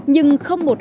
nhưng không một